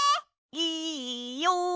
いいよ！